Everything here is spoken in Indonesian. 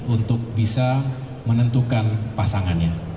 untuk bisa menentukan pasangannya